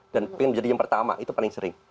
ingin menjadi yang pertama itu paling sering